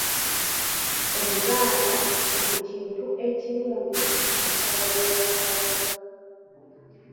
Omuganda buli kintu ekirungi akyagaliza Kabaka.